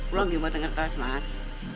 belum tidak ada kertas mas